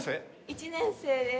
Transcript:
１年生です。